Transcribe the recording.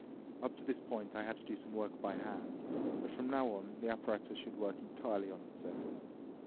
"Up to this point I had to do some work by hand, but from now on the apparatus should work entirely on its own."